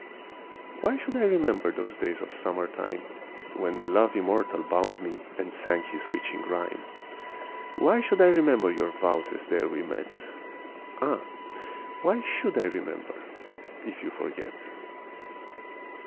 Why should I remember those days of Summer time When Love immortal bound me, and sang his witching rhyme. Why should I remember your vows as there we met? Ah, why should I remember if you forget!